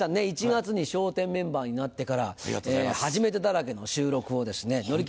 １月に笑点メンバーになってから初めてだらけの収録をですね乗り切ってます。